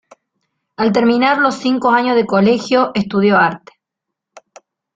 Al terminar los años de colegio estudió arte.